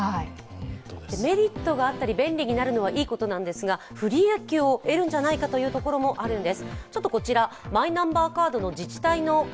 メリットがあったり便利になるのはいいことなんですが、不利益を得るんじゃないかというところもあるんです。